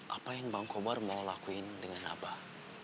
apa yang bang kobar mau lakuin dengan abah